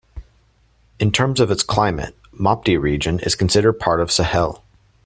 In terms of its climate, Mopti Region is considered part of the Sahel.